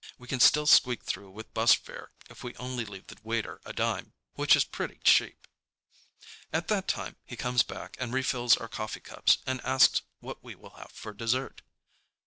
We can still squeak through with bus fare if we only leave the waiter a dime, which is pretty cheap. At that moment he comes back and refills our coffee cups and asks what we will have for dessert.